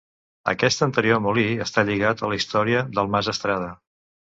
Aquest anterior molí està lligat a la història del mas Estrada.